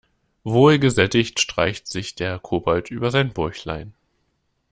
Wohl gesättigt streicht sich der Kobold über sein Bäuchlein.